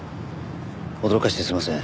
驚かせてすみません。